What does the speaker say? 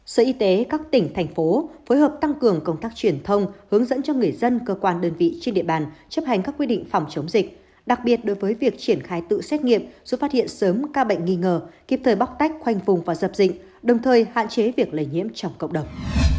sở y tế các tỉnh thành phố phối hợp tăng cường công tác truyền thông hướng dẫn cho người dân cơ quan đơn vị trên địa bàn chấp hành các quy định phòng chống dịch đặc biệt đối với việc triển khai tự xét nghiệm giúp phát hiện sớm ca bệnh nghi ngờ kịp thời bóc tách khoanh vùng và dập dịch đồng thời hạn chế việc lây nhiễm trong cộng đồng